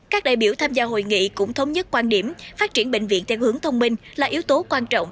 các đại biểu tham gia hội nghị cũng thống nhất quan điểm phát triển bệnh viện theo hướng thông minh là yếu tố quan trọng